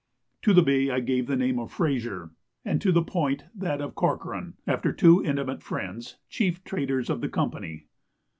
To the bay I gave the name of Fraser, and to the point that of Corcoran, after two intimate friends, chief traders of the Company.